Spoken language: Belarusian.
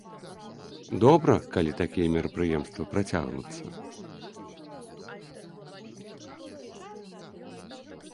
Добра, калі такія мерапрыемствы працягнуцца.